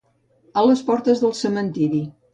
A les portes del cementiri.